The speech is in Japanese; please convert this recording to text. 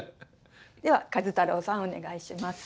では壱太郎さんお願いします。